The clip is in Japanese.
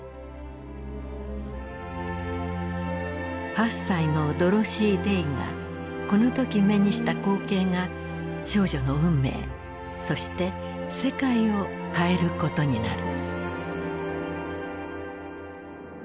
８歳のドロシー・デイがこの時目にした光景が少女の運命そして世界を変えることになる。